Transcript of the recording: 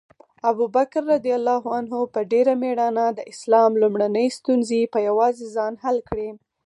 ابوبکر رض په ډېره مېړانه د اسلام لومړنۍ ستونزې په یوازې ځان حل کړې.